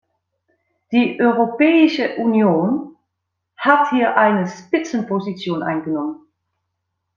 Die Europäische Union hat hier eine Spitzenposition eingenommen.